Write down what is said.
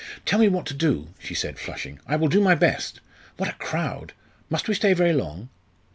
"Tell me what to do," she said, flushing. "I will do my best. What a crowd! Must we stay very long?"